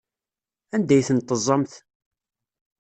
Anda ay tent-teẓẓamt?